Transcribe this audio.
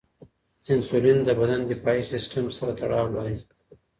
انسولین د بدن دفاعي سیستم سره تړاو لري.